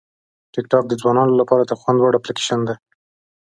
ټیکټاک د ځوانانو لپاره د خوند وړ اپلیکیشن دی.